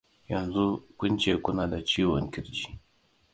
Yanzu kun ce kuna da ciwon kirji